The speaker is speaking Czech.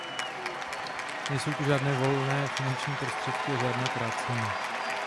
Nejsou tu žádné volné finanční prostředky a žádná krácení.